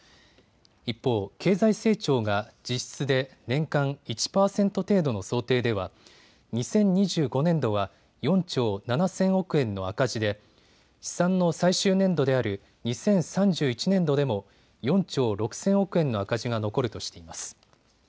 一方、経済成長が実質で年間１％程度の想定では２０２５年度は４兆７０００億円の赤字で試算の最終年度である２０３１年度でも４兆６０００億円の赤字が残るとしています。